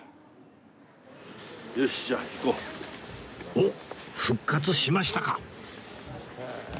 おっ復活しましたか